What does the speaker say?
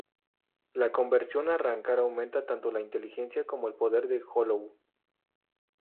La conversión a arrancar aumenta tanto la inteligencia como el poder del Hollow.